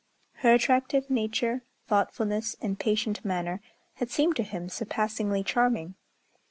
Her attractive nature, thoughtfulness, and patient manner had seemed to him surpassingly charming.